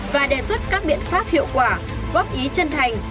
và đề xuất các biện pháp hiệu quả góp ý chân thành